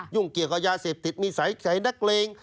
เกี่ยวกับยาเสพติดมีสายนักเลง